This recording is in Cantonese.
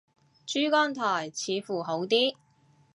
珠江台似乎好啲